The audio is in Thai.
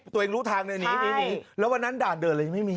ตัวเองรู้ทางเลยหนีหนีแล้ววันนั้นด่านเดินเลยยังไม่มี